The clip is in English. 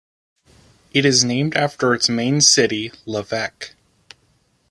It is named after its main city - Lovech.